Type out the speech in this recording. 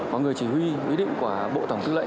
của người chỉ huy ý định của bộ tổng thứ lệnh